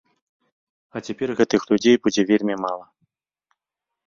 А цяпер гэтых людзей будзе вельмі мала.